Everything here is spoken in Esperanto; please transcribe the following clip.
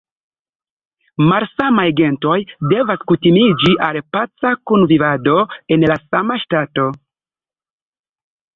Malsamaj gentoj devas kutimiĝi al paca kunvivado en la sama ŝtato.